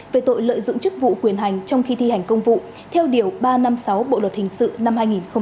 về tội lợi dụng chức vụ quyền hành trong khi thi hành công vụ theo điều ba trăm năm mươi sáu bộ luật hình sự năm hai nghìn một mươi năm